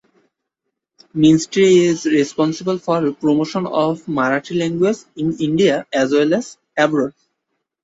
Ministry is responsible for promotion of Marathi language in India as well as abroad.